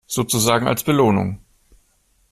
Sozusagen als Belohnung.